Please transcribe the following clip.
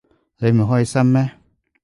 你唔開心咩？